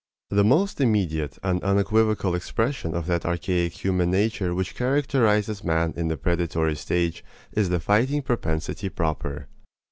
The most immediate and unequivocal expression of that archaic human nature which characterizes man in the predatory stage is the fighting propensity proper.